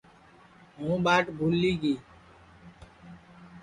ہُوں ٻاٹ بھُولی گی گا